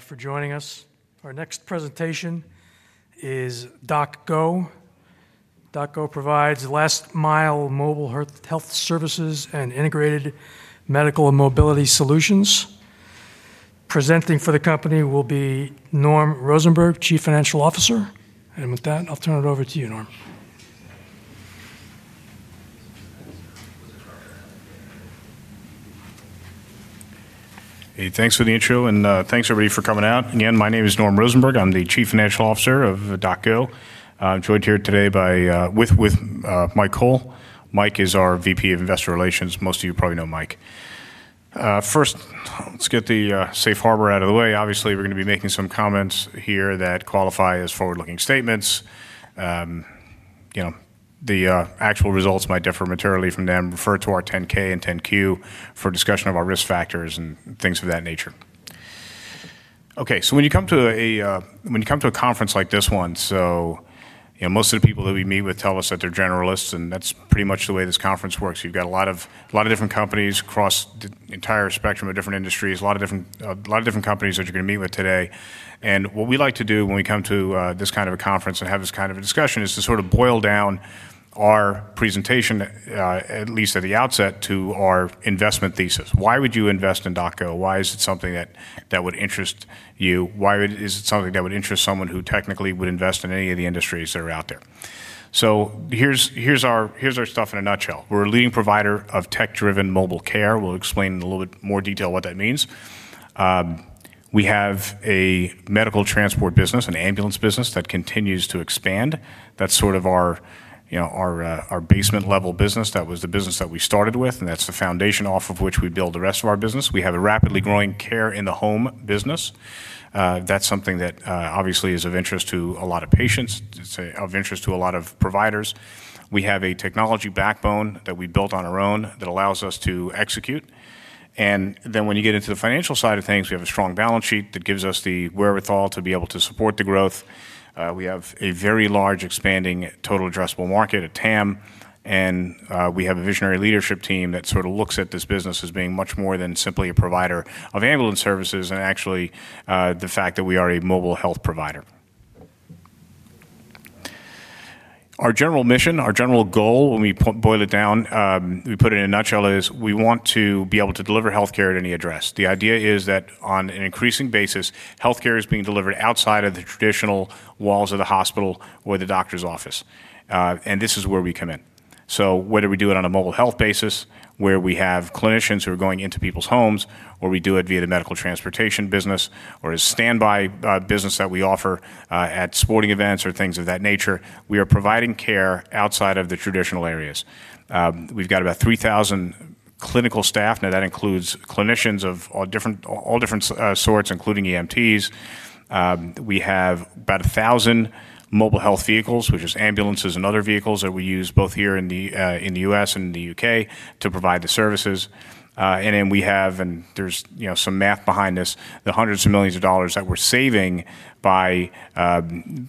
For joining us. Our next presentation is DocGo. DocGo provides last-mile mobile health services and integrated medical and mobility solutions. Presenting for the company will be Norm Rosenberg, Chief Financial Officer. With that, I'll turn it over to you, Norm. Hey, thanks, Vinetrio, and thanks everybody for coming out. Again, my name is Norm Rosenberg. I'm the Chief Financial Officer of DocGo. I'm joined here today with Mike Cole. Mike is our VP of Investor Relations. Most of you probably know Mike. First, let's get the safe harbor out of the way. Obviously, we're going to be making some comments here that qualify as forward-looking statements. The actual results might differ materially from them. Refer to our 10-K and 10-Q for discussion of our risk factors and things of that nature. When you come to a conference like this one, most of the people that we meet with tell us that they're generalists, and that's pretty much the way this conference works. You've got a lot of different companies across the entire spectrum of different industries, a lot of different companies that you're going to meet with today. What we like to do when we come to this kind of a conference and have this kind of a discussion is to sort of boil down our presentation, at least at the outset, to our investment thesis. Why would you invest in DocGo? Why is it something that would interest you? Why is it something that would interest someone who technically would invest in any of the industries that are out there? Here's our stuff in a nutshell. We're a leading provider of tech-driven mobile care. We'll explain in a little bit more detail what that means. We have a medical transport business, an ambulance business that continues to expand. That's sort of our basement-level business. That was the business that we started with, and that's the foundation off of which we build the rest of our business. We have a rapidly growing care-in-the-home business. That's something that obviously is of interest to a lot of patients, of interest to a lot of providers. We have a technology backbone that we built on our own that allows us to execute. When you get into the financial side of things, we have a strong balance sheet that gives us the wherewithal to be able to support the growth. We have a very large expanding Total Addressable Market, a TAM. We have a visionary leadership team that sort of looks at this business as being much more than simply a provider of ambulance services and actually the fact that we are a mobile health provider. Our general mission, our general goal, when we boil it down, we put it in a nutshell, is we want to be able to deliver health care at any address. The idea is that on an increasing basis, health care is being delivered outside of the traditional walls of the hospital or the doctor's office. This is where we come in. Whether we do it on a mobile health basis, where we have clinicians who are going into people's homes, or we do it via the medical transportation business, or as a standby business that we offer at sporting events or things of that nature, we are providing care outside of the traditional areas. We've got about 3,000 clinical staff. That includes clinicians of all different sorts, including EMTs. We have about 1,000 mobile health vehicles, which are ambulances and other vehicles that we use both here in the U.S. and in the U.K. to provide the services. There is some math behind this, the hundreds of millions of dollars that we're saving by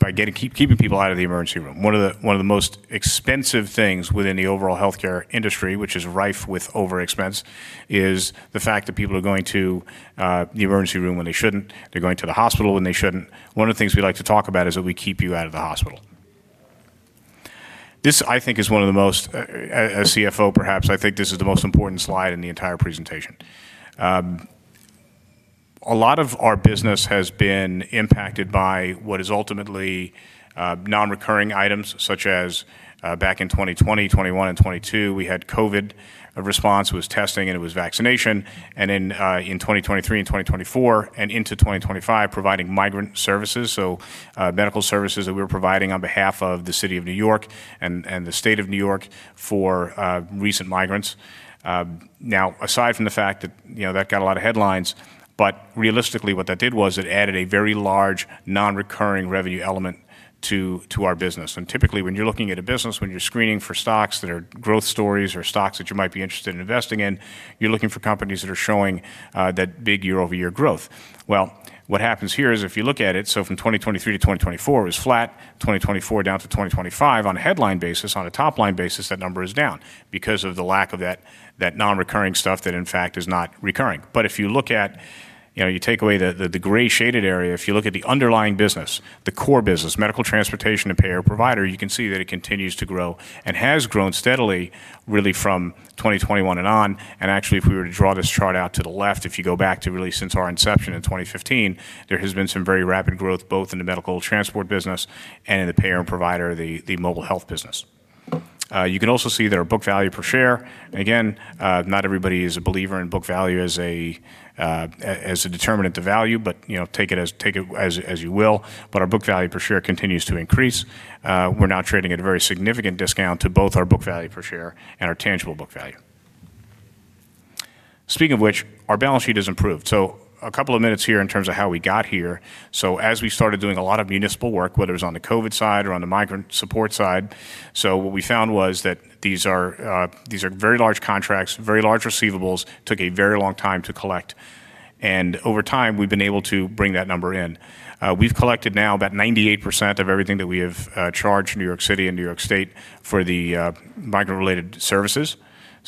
keeping people out of the emergency room. One of the most expensive things within the overall health care industry, which is rife with over-expense, is the fact that people are going to the emergency room when they shouldn't. They're going to the hospital when they shouldn't. One of the things we like to talk about is that we keep you out of the hospital. This, I think, is one of the most, as a CFO perhaps, I think this is the most important slide in the entire presentation. A lot of our business has been impacted by what is ultimately non-recurring items, such as back in 2020, 2021, and 2022, we had COVID. A response was testing, and it was vaccination. In 2023 and 2024 and into 2025, providing migrant services, so medical services that we were providing on behalf of the City of New York and the State of New York for recent migrants. Aside from the fact that that got a lot of headlines, realistically, what that did was it added a very large non-recurring revenue element to our business. Typically, when you're looking at a business, when you're screening for stocks that are growth stories or stocks that you might be interested in investing in, you're looking for companies that are showing that big year-over-year growth. What happens here is if you look at it, from 2023-2024, it was flat. 2024 down to 2025 on a headline basis. On a top-line basis, that number is down because of the lack of that non-recurring stuff that, in fact, is not recurring. If you look at, you know, you take away the gray shaded area, if you look at the underlying business, the core business, medical transportation and payer provider, you can see that it continues to grow and has grown steadily, really, from 2021 and on. Actually, if we were to draw this chart out to the left, if you go back to really since our inception in 2015, there has been some very rapid growth both in the medical transport business and in the payer and provider, the mobile health business. You can also see that our book value per share, and again, not everybody is a believer in book value as a determinant of value, but take it as you will. Our book value per share continues to increase. We're now trading at a very significant discount to both our book value per share and our tangible book value. Speaking of which, our balance sheet has improved. A couple of minutes here in terms of how we got here. As we started doing a lot of municipal work, whether it was on the COVID side or on the migrant support side, what we found was that these are very large contracts, very large receivables, took a very long time to collect. Over time, we've been able to bring that number in. We've collected now about 98% of everything that we have charged New York City and New York State for the migrant-related services.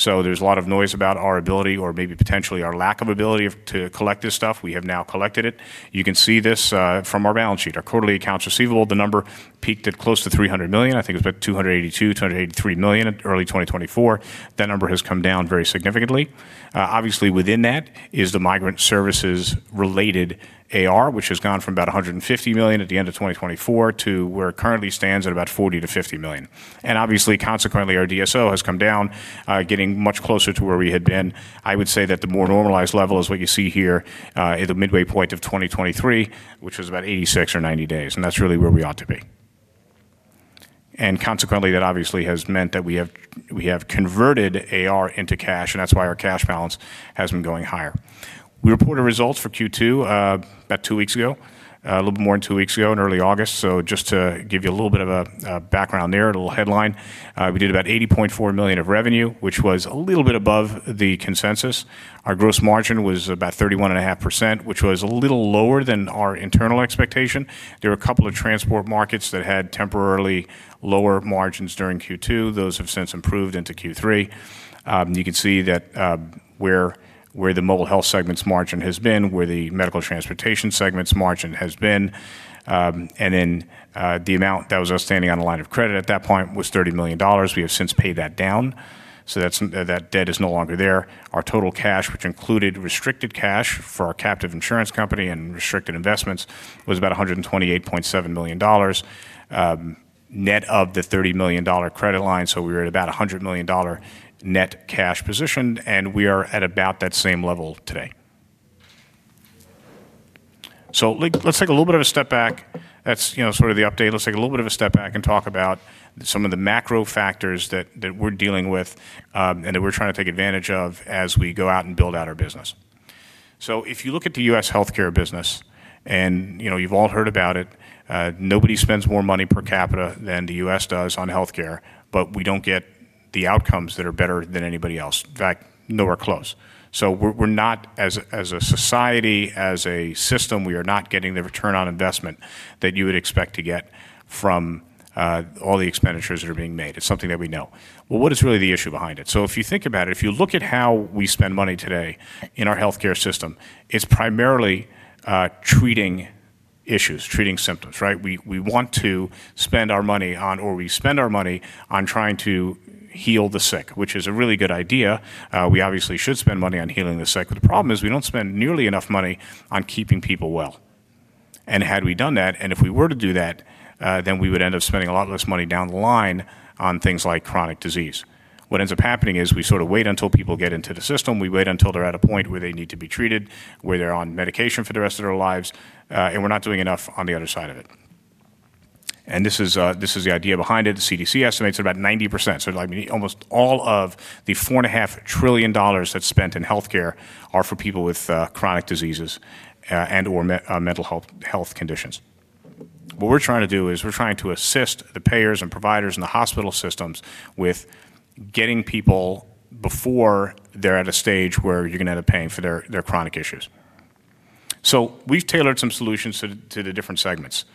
There's a lot of noise about our ability or maybe potentially our lack of ability to collect this stuff. We have now collected it. You can see this from our balance sheet. Our quarterly accounts receivable, the number peaked at close to $300 million. I think it was about $282 million, $283 million in early 2024. That number has come down very significantly. Obviously, within that is the migrant services-related AR, which has gone from about $150 million at the end of 2024 to where it currently stands at about $40 million-$50 million. Consequently, our DSO has come down, getting much closer to where we had been. I would say that the more normalized level is what you see here at the midway point of 2023, which was about 86 or 90 days. That's really where we ought to be. Consequently, that obviously has meant that we have converted AR into cash. That's why our cash balance has been going higher. We reported results for Q2 about two weeks ago, a little bit more than two weeks ago, in early August. Just to give you a little bit of a background there, a little headline, we did about $80.4 million of revenue, which was a little bit above the consensus. Our gross margin was about 31.5%, which was a little lower than our internal expectation. There were a couple of transport markets that had temporarily lower margins during Q2. Those have since improved into Q3. You can see that where the mobile health segment's margin has been, where the medical transportation segment's margin has been, and then the amount that was outstanding on the line of credit at that point was $30 million. We have since paid that down. That debt is no longer there. Our total cash, which included restricted cash for our captive insurance company and restricted investments, was about $128.7 million net of the $30 million credit line. We were at about a $100 million net cash position, and we are at about that same level today. Let's take a little bit of a step back. That's sort of the update. Let's take a little bit of a step back and talk about some of the macro factors that we're dealing with and that we're trying to take advantage of as we go out and build out our business. If you look at the U.S. health care business, and you've all heard about it, nobody spends more money per capita than the U.S. does on health care, but we don't get the outcomes that are better than anybody else. In fact, nowhere close. As a society, as a system, we are not getting the return on investment that you would expect to get from all the expenditures that are being made. It's something that we know. What is really the issue behind it? If you think about it, if you look at how we spend money today in our health care system, it's primarily treating issues, treating symptoms. We want to spend our money on, or we spend our money on trying to heal the sick, which is a really good idea. We obviously should spend money on healing the sick. The problem is we don't spend nearly enough money on keeping people well. Had we done that, and if we were to do that, then we would end up spending a lot less money down the line on things like chronic disease. What ends up happening is we sort of wait until people get into the system. We wait until they're at a point where they need to be treated, where they're on medication for the rest of their lives. We're not doing enough on the other side of it. This is the idea behind it. The CDC estimates at about 90%. Almost all of the $4.5 trillion that's spent in health care are for people with chronic diseases and/or mental health conditions. What we're trying to do is we're trying to assist the payers and providers in the hospital systems with getting people before they're at a stage where you're going to end up paying for their chronic issues. We've tailored some solutions to the different segments.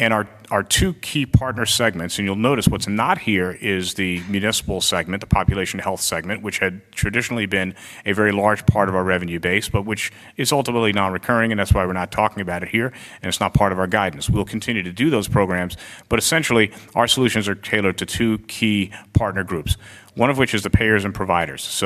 Our two key partner segments, and you'll notice what's not here is the municipal segment, the population health segment, which had traditionally been a very large part of our revenue base, but which is ultimately non-recurring. That's why we're not talking about it here. It's not part of our guidance. We'll continue to do those programs. Essentially, our solutions are tailored to two key partner groups, one of which is the payers and providers.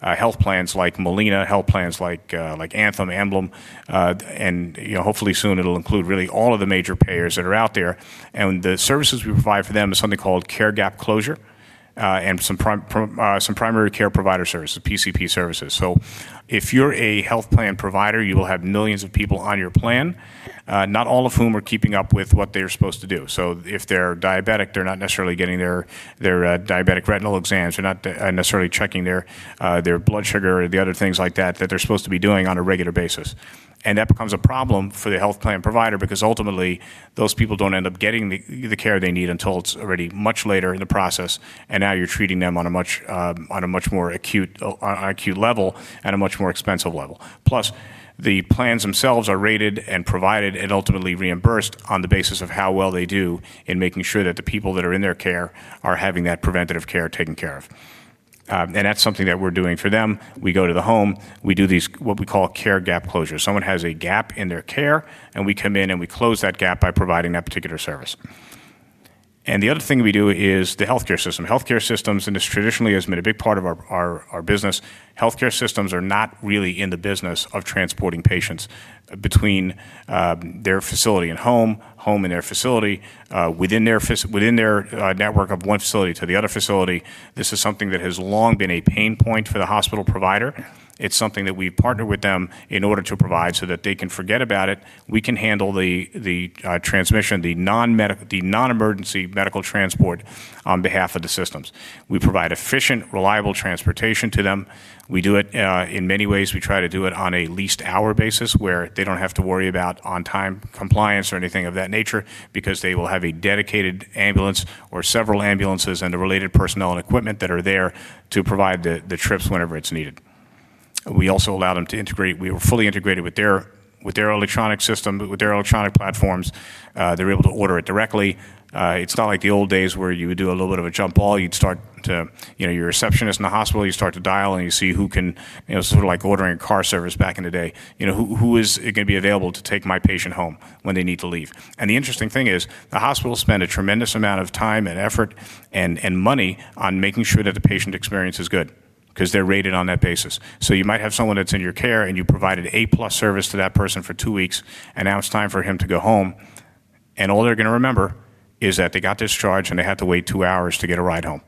Health plans like Molina, health plans like Anthem, Emblem, and hopefully soon it'll include really all of the major payers that are out there. The services we provide for them is something called Care Gap Closure and some primary care provider services, PCP services. If you're a health plan provider, you will have millions of people on your plan, not all of whom are keeping up with what they're supposed to do. If they're diabetic, they're not necessarily getting their diabetic retinal exams. They're not necessarily checking their blood sugar or the other things like that that they're supposed to be doing on a regular basis. That becomes a problem for the health plan provider because ultimately those people don't end up getting the care they need until it's already much later in the process. Now you're treating them on a much more acute level and a much more expensive level. Plus, the plans themselves are rated and provided and ultimately reimbursed on the basis of how well they do in making sure that the people that are in their care are having that preventative care taken care of. That's something that we're doing for them. We go to the home. We do what we call Care Gap Closure. Someone has a gap in their care, and we come in and we close that gap by providing that particular service. The other thing we do is the health care system. Health care systems, and this traditionally has been a big part of our business, health care systems are not really in the business of transporting patients between their facility and home, home and their facility, within their network of one facility to the other facility. This is something that has long been a pain point for the hospital provider. It's something that we partner with them in order to provide so that they can forget about it. We can handle the transportation, the non-emergency patient transport on behalf of the systems. We provide efficient, reliable transportation to them. We do it in many ways. We try to do it on a lease hour basis where they don't have to worry about on-time compliance or anything of that nature because they will have a dedicated ambulance or several ambulances and the related personnel and equipment that are there to provide the trips whenever it's needed. We also allow them to integrate. We are fully integrated with their electronic systems, with their electronic platforms. They're able to order it directly. It's not like the old days where you would do a little bit of a jump ball. Your receptionist in the hospital starts to dial and you see who can, sort of like ordering a car service back in the day. Who is going to be available to take my patient home when they need to leave? The interesting thing is the hospitals spend a tremendous amount of time and effort and money on making sure that the patient experience is good because they're rated on that basis. You might have someone that's in your care and you provided A+ service to that person for two weeks, and now it's time for him to go home. All they're going to remember is that they got discharged and they had to wait two hours to get a ride home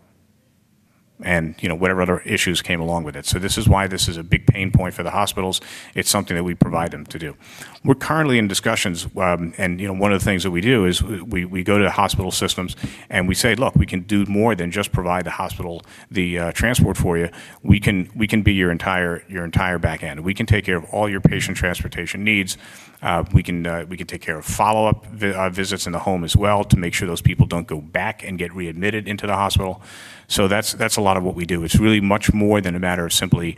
and whatever other issues came along with it. This is why this is a big pain point for the hospitals. It's something that we provide them to do. We're currently in discussions. One of the things that we do is we go to hospital systems and we say, look, we can do more than just provide the hospital the transport for you. We can be your entire back end. We can take care of all your patient transportation needs. We can take care of follow-up visits in the home as well to make sure those people don't go back and get readmitted into the hospital. That's a lot of what we do. It's really much more than a matter of simply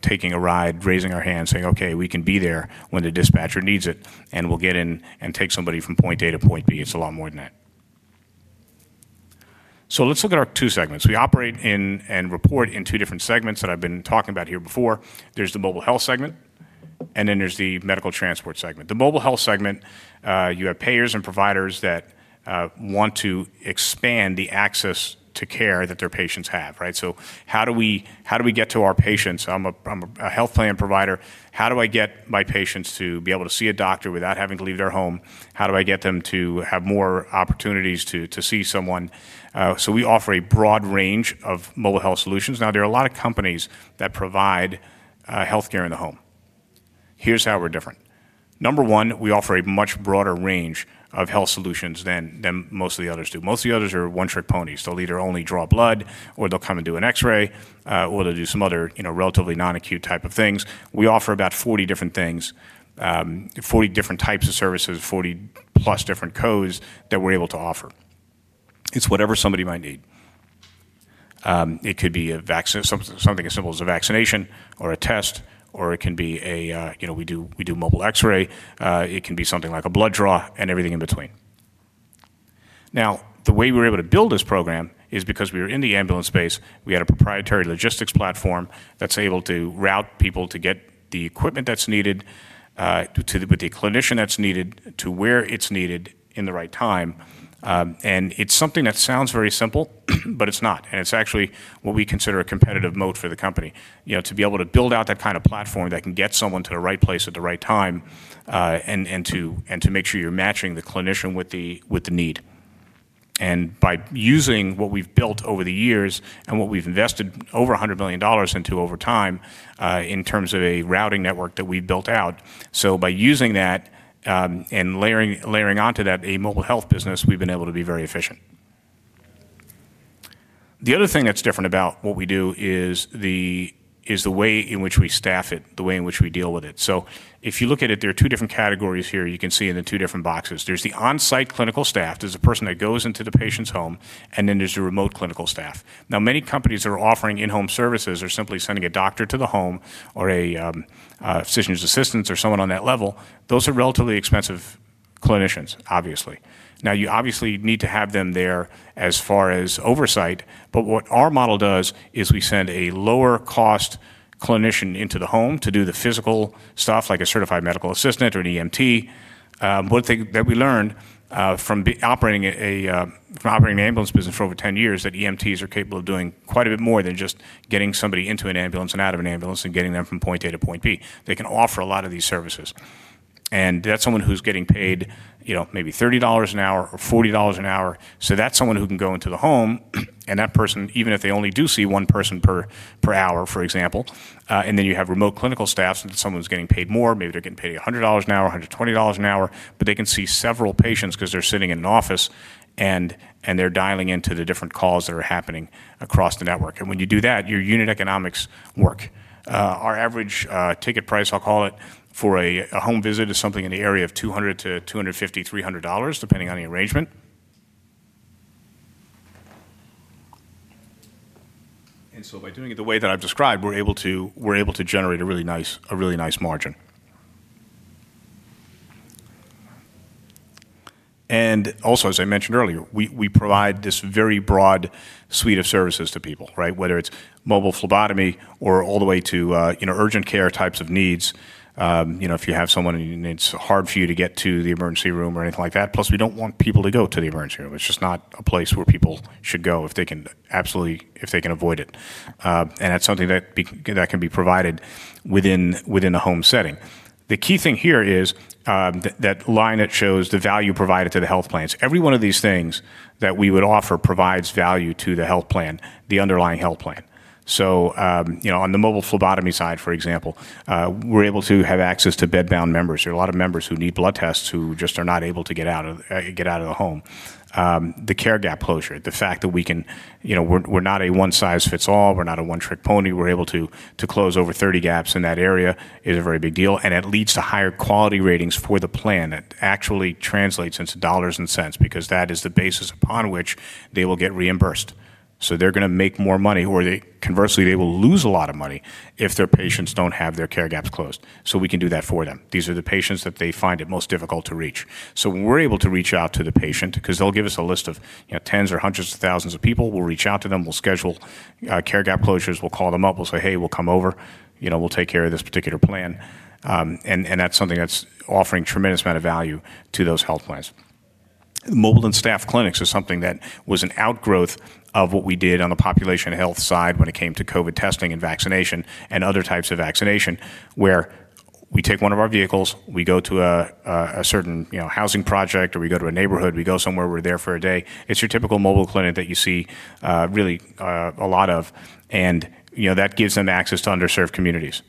taking a ride, raising our hands, saying, OK, we can be there when the dispatcher needs it, and we'll get in and take somebody from point A to point B. It's a lot more than that. Let's look at our two segments. We operate and report in two different segments that I've been talking about here before. There's the Mobile Health segment, and then there's the Medical Transport segment. The Mobile Health segment, you have payers and providers that want to expand the access to care that their patients have. How do we get to our patients? I'm a health plan provider. How do I get my patients to be able to see a doctor without having to leave their home? How do I get them to have more opportunities to see someone? We offer a broad range of Mobile Health solutions. There are a lot of companies that provide health care in the home. Here's how we're different. Number one, we offer a much broader range of health solutions than most of the others do. Most of the others are one-trick ponies. They'll either only draw blood, or they'll come and do an X-ray, or they'll do some other relatively non-acute type of things. We offer about 40 different things, 40 different types of services, 40+ different codes that we're able to offer. It's whatever somebody might need. It could be something as simple as a vaccination or a test, or it can be a, you know, we do mobile X-ray. It can be something like a blood draw and everything in between. The way we were able to build this program is because we were in the ambulance space. We had a proprietary logistics platform that's able to route people to get the equipment that's needed, to the clinician that's needed, to where it's needed in the right time. It's something that sounds very simple, but it's not. It's actually what we consider a competitive moat for the company, to be able to build out that kind of platform that can get someone to the right place at the right time and to make sure you're matching the clinician with the need. By using what we've built over the years and what we've invested over $100 million into over time in terms of a routing network that we built out. By using that and layering onto that a Mobile Health business, we've been able to be very efficient. The other thing that's different about what we do is the way in which we staff it, the way in which we deal with it. If you look at it, there are two different categories here you can see in the two different boxes. There's the on-site clinical staff. There's a person that goes into the patient's home, and then there's the remote clinical staff. Many companies that are offering in-home services are simply sending a doctor to the home or a physician's assistant or someone on that level. Those are relatively expensive clinicians, obviously. You obviously need to have them there as far as oversight. What our model does is we send a lower-cost clinician into the home to do the physical stuff, like a certified medical assistant or an EMT. One thing that we learned from operating an ambulance business for over 10 years is that EMTs are capable of doing quite a bit more than just getting somebody into an ambulance and out of an ambulance and getting them from point A to point B. They can offer a lot of these services. That's someone who's getting paid, you know, maybe $30 an hour or $40 an hour. That's someone who can go into the home, and that person, even if they only do see one person per hour, for example. Then you have remote clinical staff. That's someone who's getting paid more. Maybe they're getting paid $100 an hour, $120 an hour. They can see several patients because they're sitting in an office, and they're dialing into the different calls that are happening across the network. When you do that, your unit economics work. Our average ticket price, I'll call it, for a home visit is something in the area of $200-$250, $300, depending on the arrangement. By doing it the way that I've described, we're able to generate a really nice margin. Also, as I mentioned earlier, we provide this very broad suite of services to people, whether it's mobile phlebotomy or all the way to urgent care types of needs. If you have someone and it's hard for you to get to the emergency room or anything like that. Plus, we don't want people to go to the emergency room. It's just not a place where people should go if they can absolutely avoid it. That's something that can be provided within the home setting. The key thing here is that line that shows the value provided to the health plans. Every one of these things that we would offer provides value to the health plan, the underlying health plan. On the mobile phlebotomy side, for example, we're able to have access to bedbound members. There are a lot of members who need blood tests who just are not able to get out of the home. The Care Gap Closure, the fact that we can, you know, we're not a one-size-fits-all. We're not a one-trick pony. We're able to close over 30 gaps in that area is a very big deal. That leads to higher quality ratings for the plan that actually translates into dollars and cents because that is the basis upon which they will get reimbursed. They're going to make more money, or conversely, they will lose a lot of money if their patients don't have their care gaps closed. We can do that for them. These are the patients that they find it most difficult to reach. We're able to reach out to the patient because they'll give us a list of tens or hundreds of thousands of people. We'll reach out to them. We'll schedule Care Gap Closures. We'll call them up. We'll say, hey, we'll come over. We'll take care of this particular plan. That's something that's offering a tremendous amount of value to those health plans. Mobile and staff clinics is something that was an outgrowth of what we did on the population health side when it came to COVID testing and vaccination and other types of vaccination, where we take one of our vehicles, we go to a certain housing project, or we go to a neighborhood. We go somewhere. We're there for a day. It's your typical mobile clinic that you see really a lot of. That gives them access to underserved communities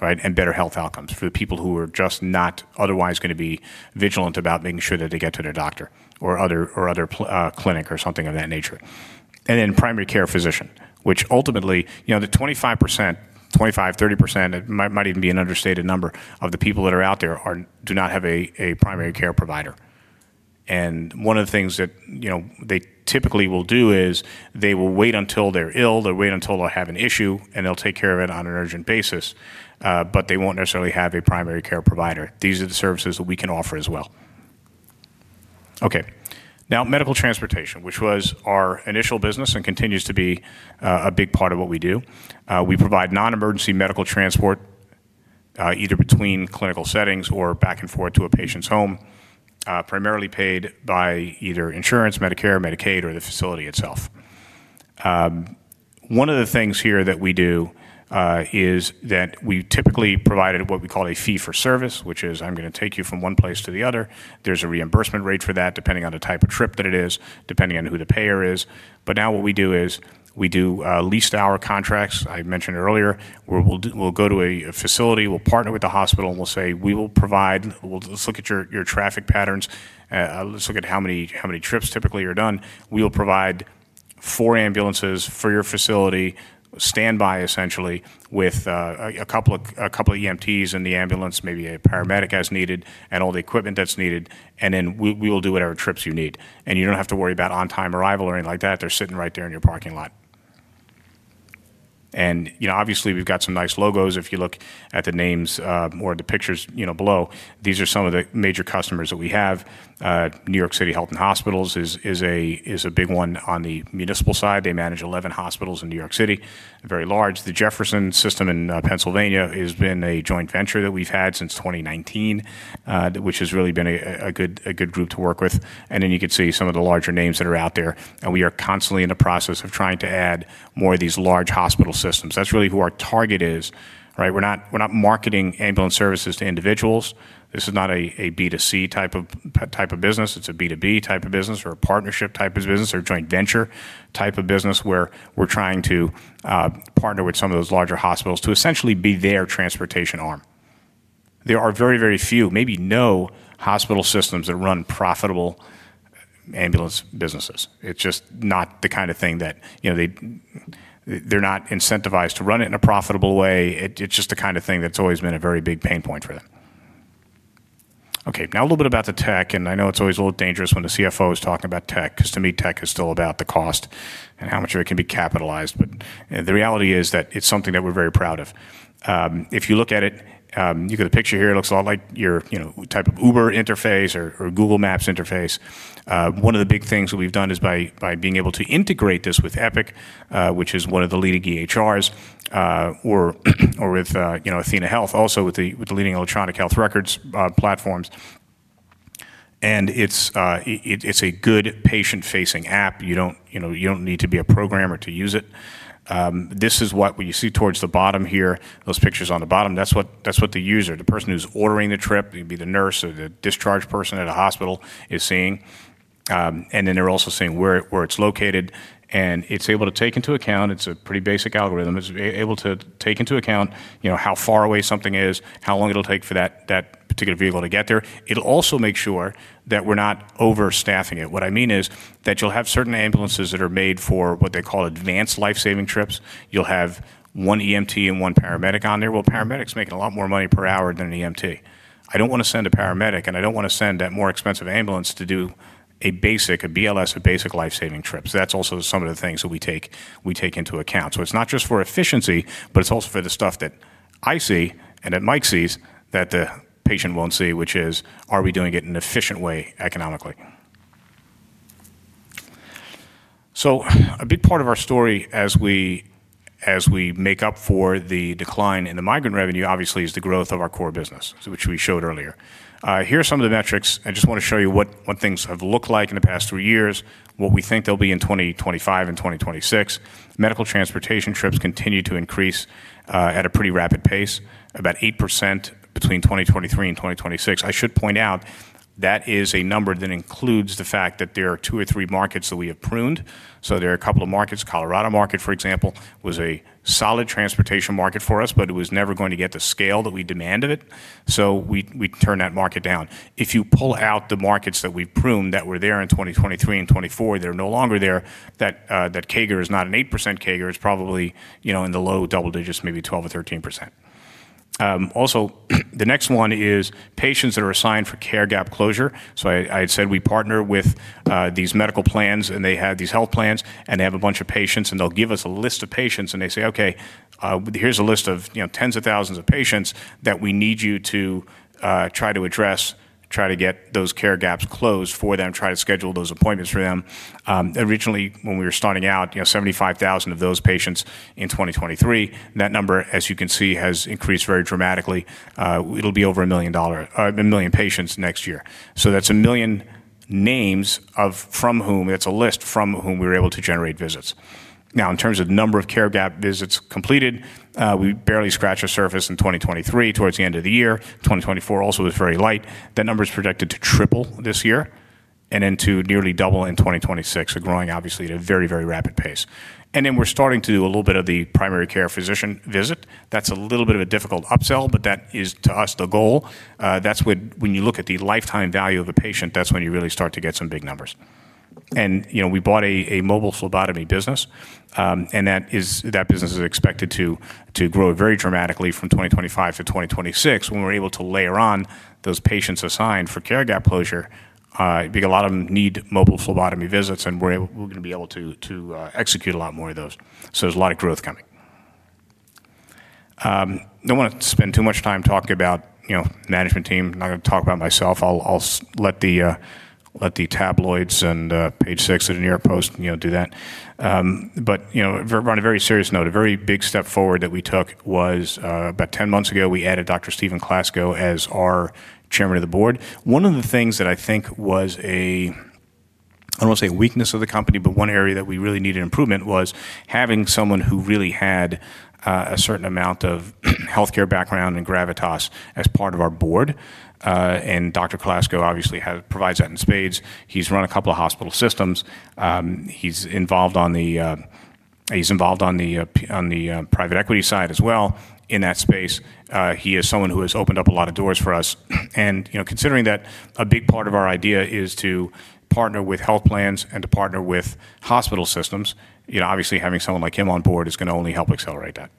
and better health outcomes for the people who are just not otherwise going to be vigilant about making sure that they get to their doctor or other clinic or something of that nature. Then primary care physician, which ultimately, you know, the 25%, 25%-30%, it might even be an understated number of the people that are out there do not have a primary care provider. One of the things that they typically will do is they will wait until they're ill. They'll wait until they'll have an issue, and they'll take care of it on an urgent basis. They won't necessarily have a primary care provider. These are the services that we can offer as well. Now medical transportation, which was our initial business and continues to be a big part of what we do. We provide non-emergency medical transport either between clinical settings or back and forth to a patient's home, primarily paid by either insurance, Medicare, Medicaid, or the facility itself. One of the things here that we do is that we typically provide what we call a fee for service, which is I'm going to take you from one place to the other. There's a reimbursement rate for that, depending on the type of trip that it is, depending on who the payer is. Now what we do is we do leased hour contracts. I mentioned earlier, we'll go to a facility. We'll partner with the hospital, and we'll say, we will provide, let's look at your traffic patterns. Let's look at how many trips typically are done. We will provide four ambulances for your facility, standby, essentially, with a couple of EMTs in the ambulance, maybe a paramedic as needed, and all the equipment that's needed. We will do whatever trips you need. You don't have to worry about on-time arrival or anything like that. They're sitting right there in your parking lot. Obviously, we've got some nice logos. If you look at the names or the pictures below, these are some of the major customers that we have. New York City Health and Hospitals is a big one on the municipal side. They manage 11 hospitals in New York City, very large. The Jefferson System in Pennsylvania has been a joint venture that we've had since 2019, which has really been a good group to work with. You can see some of the larger names that are out there. We are constantly in the process of trying to add more of these large hospital systems. That's really who our target is. We're not marketing ambulance services to individuals. This is not a B2C type of business. It's a B2B type of business or a partnership type of business or a joint venture type of business where we're trying to partner with some of those larger hospitals to essentially be their transportation arm. There are very, very few, maybe no hospital systems that run profitable ambulance businesses. It's just not the kind of thing that they're incentivized to run in a profitable way. It's just the kind of thing that's always been a very big pain point for them. Now a little bit about the tech. I know it's always a little dangerous when the CFO is talking about tech because to me, tech is still about the cost and how much of it can be capitalized. The reality is that it's something that we're very proud of. If you look at it, you get a picture here. It looks a lot like your type of Uber interface or Google Maps interface. One of the big things that we've done is by being able to integrate this with Epic, which is one of the leading EHRs, or with AthenaHealth, also with the leading electronic health records platforms. It's a good patient-facing app. You don't need to be a programmer to use it. This is what you see towards the bottom here, those pictures on the bottom. That's what the user, the person who's ordering the trip, it could be the nurse or the discharge person at a hospital, is seeing. They're also seeing where it's located. It's able to take into account, it's a pretty basic algorithm, it's able to take into account how far away something is, how long it'll take for that particular vehicle to get there. It'll also make sure that we're not overstaffing it. What I mean is that you'll have certain ambulances that are made for what they call advanced life-saving trips. You'll have one EMT and one paramedic on there. A paramedic's making a lot more money per hour than an EMT. I don't want to send a paramedic, and I don't want to send that more expensive ambulance to do a basic, a BLS, a basic life-saving trip. That's also some of the things that we take into account. It's not just for efficiency, but it's also for the stuff that I see and that Mike sees that the patient won't see, which is, are we doing it in an efficient way economically? A big part of our story as we make up for the decline in the migrant revenue, obviously, is the growth of our core business, which we showed earlier. Here are some of the metrics. I just want to show you what things have looked like in the past three years, what we think they'll be in 2025 and 2026. Medical transportation trips continue to increase at a pretty rapid pace, about 8% between 2023 and 2026. I should point out that is a number that includes the fact that there are two or three markets that we have pruned. There are a couple of markets. Colorado market, for example, was a solid transportation market for us, but it was never going to get the scale that we demanded it. We turned that market down. If you pull out the markets that we pruned that were there in 2023 and 2024, they're no longer there. That CAGR is not an 8% CAGR. It's probably in the low double digits, maybe 12% or 13%. Also, the next one is patients that are assigned for Care Gap Closure. I had said we partner with these medical plans, and they had these health plans, and they have a bunch of patients. They'll give us a list of patients, and they say, OK, here's a list of tens of thousands of patients that we need you to try to address, try to get those care gaps closed for them, try to schedule those appointments for them. Originally, when we were starting out, 75,000 of those patients in 2023. That number, as you can see, has increased very dramatically. It'll be over 1 million patients next year. That's a million names from whom that's a list from whom we were able to generate visits. In terms of the number of Care Gap visits completed, we barely scratched the surface in 2023 towards the end of the year. 2024 also was very light. That number is projected to triple this year and then to nearly double in 2026, growing, obviously, at a very, very rapid pace. We're starting to do a little bit of the primary care physician visit. That's a little bit of a difficult upsell, but that is, to us, the goal. When you look at the lifetime value of a patient, that's when you really start to get some big numbers. We bought a mobile phlebotomy business, and that business is expected to grow very dramatically from 2025-2026 when we're able to layer on those patients assigned for Care Gap Closure. I think a lot of them need mobile phlebotomy visits, and we're going to be able to execute a lot more of those. There's a lot of growth coming. I don't want to spend too much time talking about management team. I'm not going to talk about myself. I'll let the tabloids and Page Six and the New York Post do that. On a very serious note, a very big step forward that we took was about 10 months ago, we added Dr. Stephen Klasko as our Chairman of the Board. One of the things that I think was a, I don't want to say a weakness of the company, but one area that we really needed improvement was having someone who really had a certain amount of health care background and gravitas as part of our board. Dr. Klasko obviously provides that in spades. He's run a couple of hospital systems. He's involved on the private equity side as well in that space. He is someone who has opened up a lot of doors for us. Considering that a big part of our idea is to partner with health plans and to partner with hospital systems, obviously having someone like him on board is going to only help accelerate that.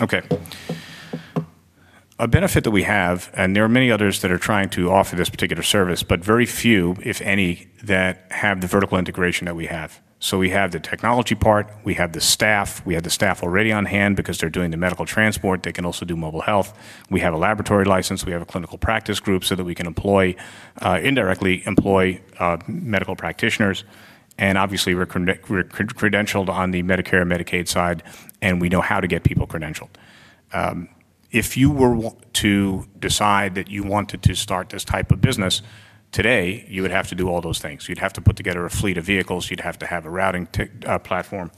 OK, a benefit that we have, and there are many others that are trying to offer this particular service, but very few, if any, that have the vertical integration that we have. We have the technology part. We have the staff. We have the staff already on hand because they're doing the medical transport. They can also do mobile health. We have a laboratory license. We have a clinical practice group so that we can indirectly employ medical practitioners. Obviously, we're credentialed on the Medicare and Medicaid side, and we know how to get people credentialed. If you were to decide that you wanted to start this type of business today, you would have to do all those things. You'd have to put together a fleet of vehicles. You'd have to have a routing platform.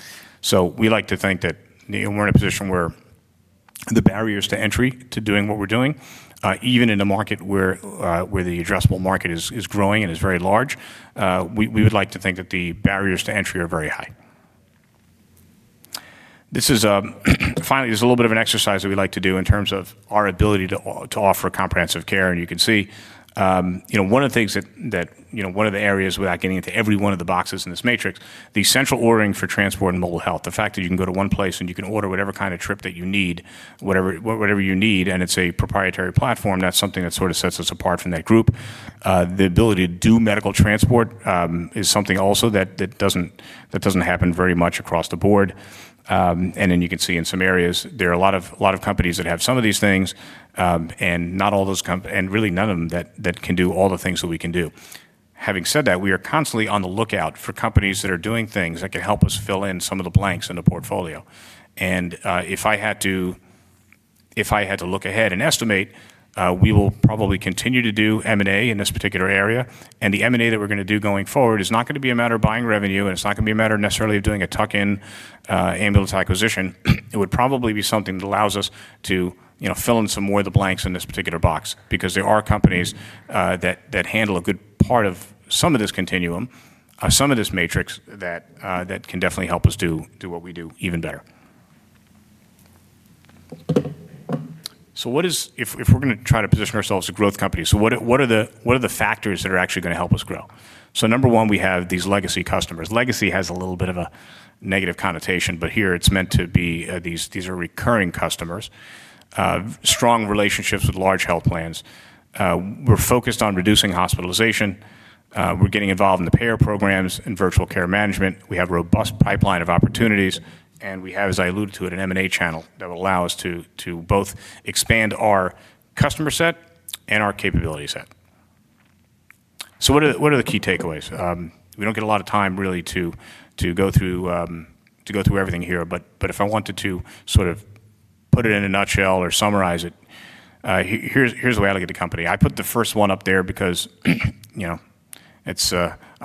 We like to think that we're in a position where the barriers to entry to doing what we're doing, even in a market where the addressable market is growing and is very large, we would like to think that the barriers to entry are very high. This is finally just a little bit of an exercise that we like to do in terms of our ability to offer comprehensive care. You can see one of the things that one of the areas, without getting into every one of the boxes in this matrix, the central ordering for transport and mobile health, the fact that you can go to one place and you can order whatever kind of trip that you need, whatever you need, and it's a proprietary platform, that's something that sort of sets us apart from that group. The ability to do medical transport is something also that doesn't happen very much across the board. You can see in some areas, there are a lot of companies that have some of these things, and not all those companies, and really none of them that can do all the things that we can do. Having said that, we are constantly on the lookout for companies that are doing things that can help us fill in some of the blanks in the portfolio. If I had to look ahead and estimate, we will probably continue to do M&A in this particular area. The M&A that we're going to do going forward is not going to be a matter of buying revenue, and it's not going to be a matter necessarily of doing a tuck-in ambulance acquisition. It would probably be something that allows us to fill in some more of the blanks in this particular box because there are companies that handle a good part of some of this continuum, some of this matrix that can definitely help us do what we do even better. If we're going to try to position ourselves as a growth company, what are the factors that are actually going to help us grow? Number one, we have these legacy customers. Legacy has a little bit of a negative connotation, but here it's meant to be these are recurring customers, strong relationships with large health plans. We're focused on reducing hospitalization. We're getting involved in the payer programs and virtual care management. We have a robust pipeline of opportunities. As I alluded to, we have an M&A channel that will allow us to both expand our customer set and our capability set. What are the key takeaways? We don't get a lot of time, really, to go through everything here. If I wanted to sort of put it in a nutshell or summarize it, here's the way I look at the company. I put the first one up there because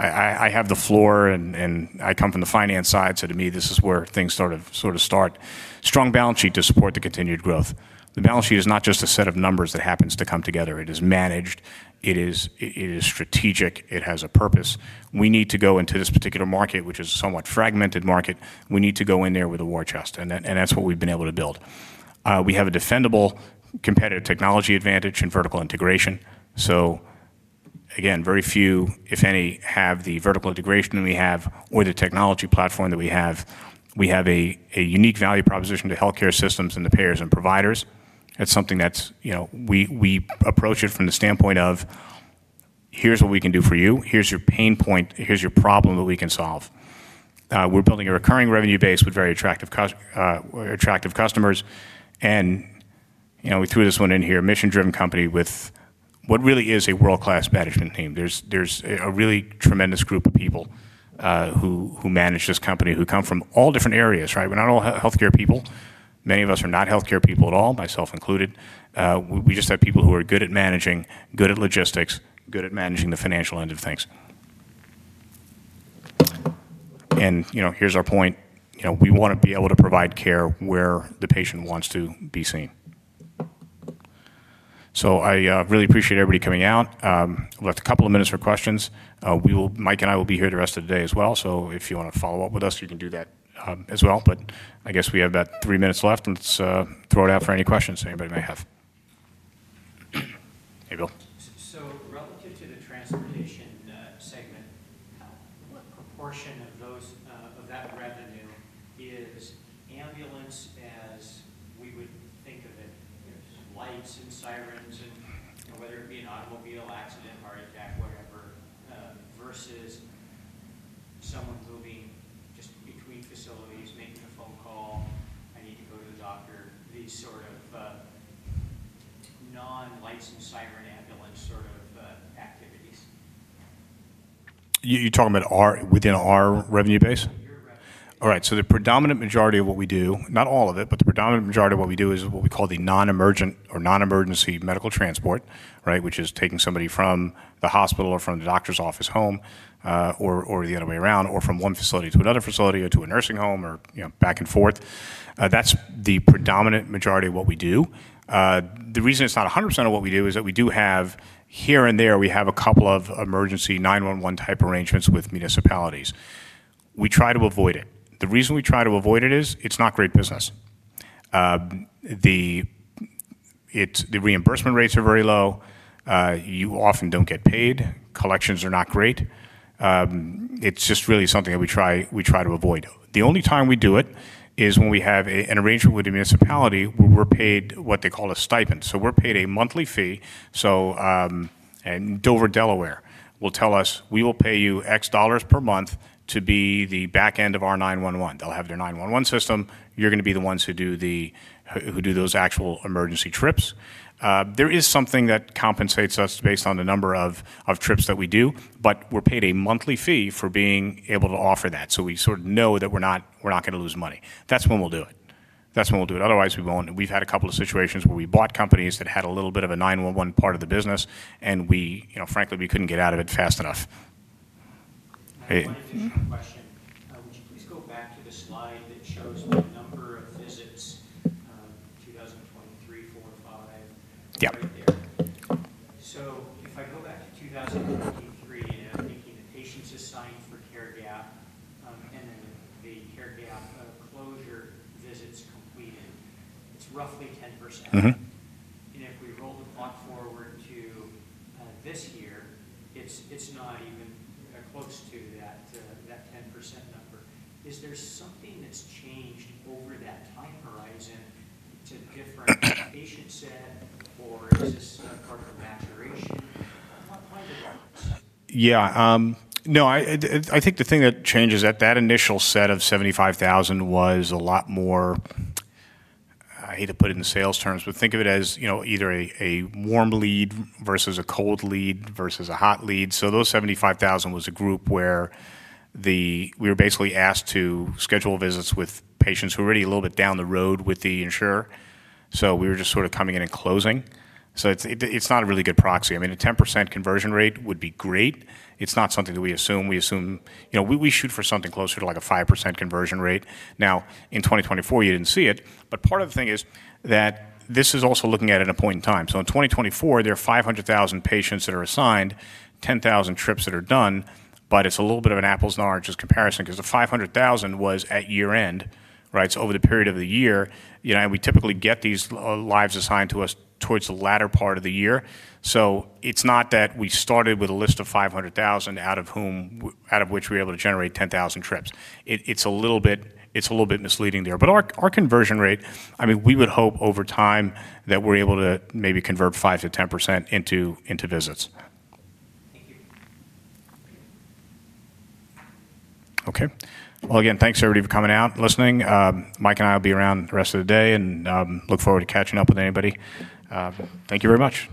I have the floor, and I come from the finance side. To me, this is where things sort of start. Strong balance sheet to support the continued growth. The balance sheet is not just a set of numbers that happens to come together. It is managed. It is strategic. It has a purpose. We need to go into this particular market, which is a somewhat fragmented market. We need to go in there with a war chest. That's what we've been able to build. We have a defendable competitive technology advantage and vertical integration. Very few, if any, have the vertical integration that we have or the technology platform that we have. We have a unique value proposition to health care systems and the payers and providers. That's something that we approach from the standpoint of, here's what we can do for you. Here's your pain point. Here's your problem that we can solve. We're building a recurring revenue base with very attractive customers. We threw this one in here, a mission-driven company with what really is a world-class management team. There's a really tremendous group of people who manage this company, who come from all different areas. We're not all health care people. Many of us are not health care people at all, myself included. We just have people who are good at managing, good at logistics, good at managing the financial end of things. Here's our point. We want to be able to provide care where the patient wants to be seen. I really appreciate everybody coming out. We've got a couple of minutes for questions. Mike and I will be here the rest of the day as well. If you want to follow up with us, you can do that as well. I guess we have about three minutes left. Let's throw it out for any questions that anybody may have. Hey, Bill. Relative to the transportation segment, what proportion of that revenue is ambulance as we would think of it? There's lights and sirens and whether it be an automobile accident or whatever versus someone going just between facilities, making a phone call, I need to go to the doctor, these sort of non-lights and sirens ambulance sort of activities. You're talking about within our revenue base? The predominant majority of what we do, not all of it, but the predominant majority of what we do is what we call the non-emergency medical transport, which is taking somebody from the hospital or from the doctor's office home or the other way around, or from one facility to another facility or to a nursing home or back and forth. That's the predominant majority of what we do. The reason it's not 100% of what we do is that we do have here and there, we have a couple of emergency 911 type arrangements with municipalities. We try to avoid it. The reason we try to avoid it is it's not great business. The reimbursement rates are very low. You often don't get paid. Collections are not great. It's just really something that we try to avoid. The only time we do it is when we have an arrangement with a municipality where we're paid what they call a stipend. We're paid a monthly fee. Dover, Delaware will tell us, we will pay you X dollars per month to be the back end of our 911. They'll have their 911 system. You're going to be the ones who do those actual emergency trips. There is something that compensates us based on the number of trips that we do. We're paid a monthly fee for being able to offer that. We sort of know that we're not going to lose money. That's when we'll do it. Otherwise, we won't. We've had a couple of situations where we bought companies that had a little bit of a 911 part of the business, and frankly, we couldn't get out of it fast enough. One question. Would you please go back to the slide that shows number of visits? 2023, 2024, and 2025. Yeah. If I go back to 2023, making patients assigned for Care Gap and then the Care Gap Closure visits completed, it's roughly 10%. If we roll it on forward to this year, it's not even close to that 10% number. Is there something that's changed over that time horizon to a different patient set, or is this a Care Gap maturation? Yeah. No, I think the thing that changes at that initial set of 75,000 was a lot more, I hate to put it in sales terms, but think of it as either a warm lead versus a cold lead versus a hot lead. So those 75,000 was a group where we were basically asked to schedule visits with patients who were already a little bit down the road with the insurer. We were just sort of coming in and closing. It's not a really good proxy. I mean, a 10% conversion rate would be great. It's not something that we assume. We assume, you know, we shoot for something closer to like a 5% conversion rate. In 2024, you didn't see it. Part of the thing is that this is also looking at an appointed time. In 2024, there are 500,000 patients that are assigned, 10,000 trips that are done. It's a little bit of an apples and oranges comparison because the 500,000 was at year-end. Over the period of the year, we typically get these lives assigned to us towards the latter part of the year. It's not that we started with a list of 500,000 out of which we were able to generate 10,000 trips. It's a little bit misleading there. Our conversion rate, I mean, we would hope over time that we're able to maybe convert 5%-10% into visits. OK, again, thanks everybody for coming out and listening. Mike and I will be around the rest of the day and look forward to catching up with anybody. Thank you very much.